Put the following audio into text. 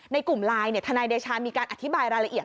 ในกลุ่มไลน์ทนายเดชามีการอธิบายรายละเอียด